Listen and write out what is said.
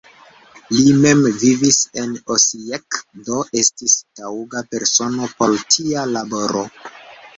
Li mem vivis en Osijek, do estis taŭga persono por tia laboro.